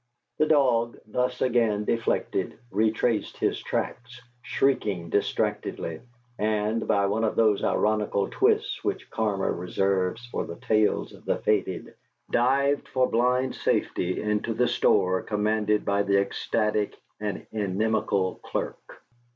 The dog, thus again deflected, retraced his tracks, shrieking distractedly, and, by one of those ironical twists which Karma reserves for the tails of the fated, dived for blind safety into the store commanded by the ecstatic and inimical clerk.